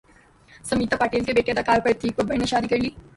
سمیتا پاٹیل کے بیٹے اداکار پرتیک ببر نے شادی کرلی